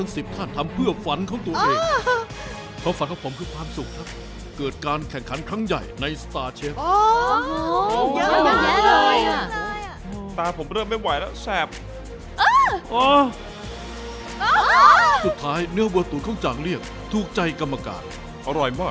สุดท้ายเนื้อวัวตูนข้องจางเรียกถูกใจกรรมการ